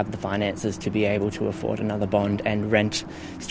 kami hanya bisa mencari uang lain dan membeli uang langsung